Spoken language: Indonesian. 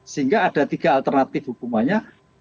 sehingga ada tiga alternatif hukumannya